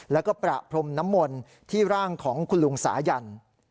แล้วก็ประพรมน้ำมนต์ที่ร่างของคุณลุงสายัน